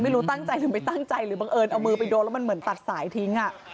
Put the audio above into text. ไม่รู้ตั้งใจหรือไม่ตั้งใจหรือบังเอิญเอามือไปโดนแล้วมันเหมือนตัดสายทิ้ง